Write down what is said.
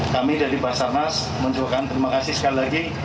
kami dari basarnas mengucapkan terima kasih sekali lagi